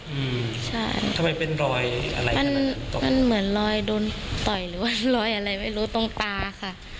อืมใช่ทำไมเป็นรอยอะไรมันมันเหมือนรอยโดนต่อยหรือว่ารอยอะไรไม่รู้ตรงตาค่ะ